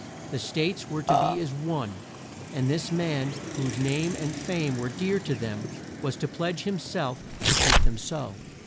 The States were to be as one, and this man, whose name and fame were dear to them, was to pledge him self to keep them so.